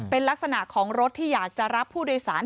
เป็นลักษณะของรถที่อยากจะรับผู้โดยสาร